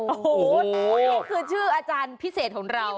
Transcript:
โอ้โหนี่คือชื่ออาจารย์พิเศษของเรา